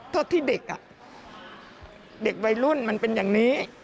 เท่าที่เด็กเด็กวัยรุ่นมันเป็นอย่างนี้